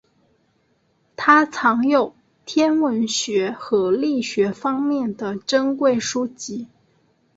他藏有天文学和力学方面的珍贵书籍。